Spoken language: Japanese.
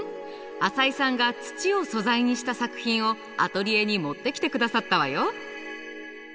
淺井さんが土を素材にした作品をアトリエに持ってきてくださったわよ。